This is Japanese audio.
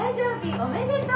おめでとう！